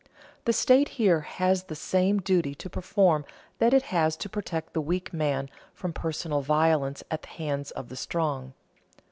The state here has the same duty to perform that it has to protect the weak man from personal violence at the hands of the strong.